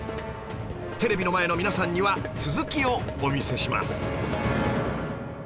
テレビの前の皆さんには続きをお見せします